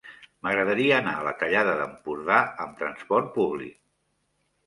M'agradaria anar a la Tallada d'Empordà amb trasport públic.